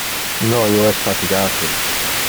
No, io es fatigate.